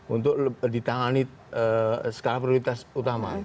untuk ditangani skala prioritas utama